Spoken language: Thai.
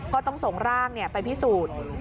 ก็ต้องส่งร่างไปพิสูจน์